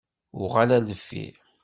Uɣal ar deffir.